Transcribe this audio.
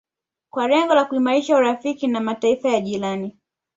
kwa lengo la kuimarisha urafiki na Mataifa ya jirani